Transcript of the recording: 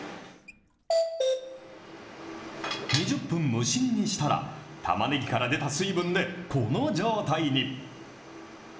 ２０分蒸し煮にしたら、たまねぎから出た水分で、この状態に。